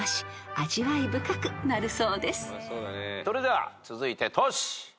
それでは続いてトシ。